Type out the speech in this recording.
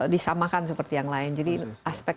disamakan seperti yang lain jadi aspek